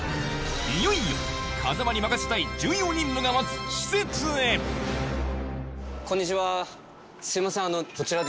いよいよ風間に任せたい重要任務が待つ施設へこんにちは。